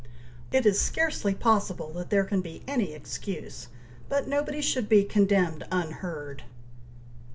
It is scarcely possible that there can be any excuse, but nobody should be condemned unheard."